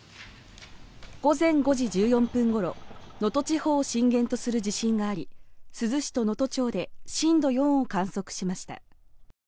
午前５時１４分ごろ能登地方を震源とする地震があり珠洲市と能登町で震度４を観測しました。